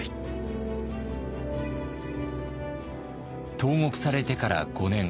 投獄されてから５年。